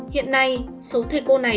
hiện nay số thầy cô này